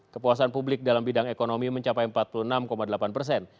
kepuasan publik dalam bidang ekonomi mencapai empat puluh enam delapan persen